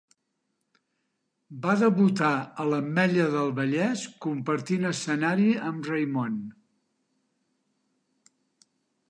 Va debutar a l'Ametlla del Vallès compartint escenari amb Raimon.